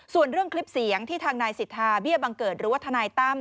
ส่วนเรื่องคลิปเสียงที่ทางนายสิทธาเบี้ยบังเกิดหรือว่าทนายตั้ม